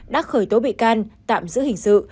đã khởi tố bị can tạm giữ hình sự